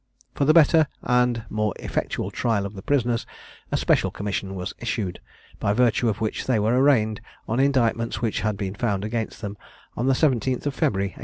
For the better and more effectual trial of the prisoners, a special commission was issued, by virtue of which they were arraigned, on indictments which had been found against them, on the 7th February, 1803.